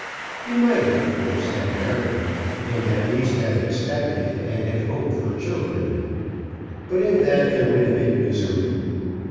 He might of course have married, and at least have expected and have hoped for children. But in that there would have been misery.